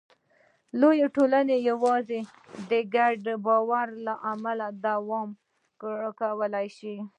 لویې ټولنې یواځې د ګډ باور له لارې دوام کولی شي.